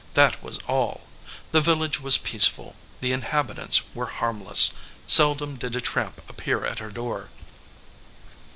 That was all. The village was peaceful. The inhabitants were harm less. Seldom did a tramp appear at a door.